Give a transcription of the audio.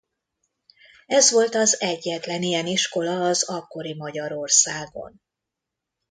Ez volt az egyetlen ilyen iskola az akkori Magyarországon.